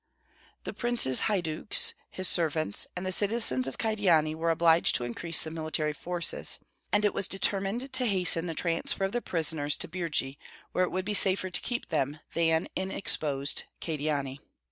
The prince's haiduks, his servants, and the citizens of Kyedani were obliged to increase the military forces; and it was determined to hasten the transfer of the prisoners to Birji, where it would be safer to keep them than in exposed Kyedani.